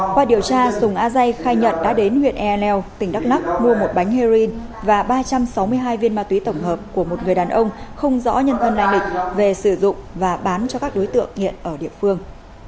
qua điều tra sùng a dây khai nhận đã đến huyện e s u p tỉnh đắk lắc mua một bánh heroin và ba trăm sáu mươi hai viên ma túy tổng hợp của một người đàn ông không rõ nhân thân lại định về sử dụng và bán cho các đối tượng hiện ở địa phương